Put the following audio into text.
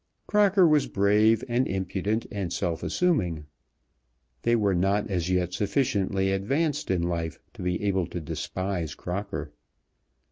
Crocker was brave and impudent and self assuming. They were not as yet sufficiently advanced in life to be able to despise Crocker.